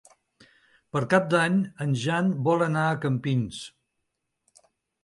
Per Cap d'Any en Jan vol anar a Campins.